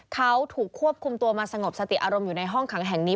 เขาถูกควบคุมตัวมาสงบสติอารมณ์อยู่ในห้องขังแห่งนี้